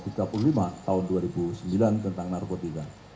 tahun dua ribu sembilan tentang narkotika